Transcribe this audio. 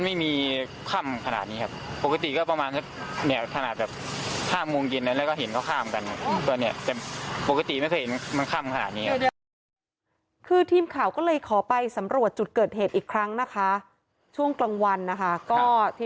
ผมเนี่ยจะไปหนองดีแล้วก็มาเส้นอย่างนี้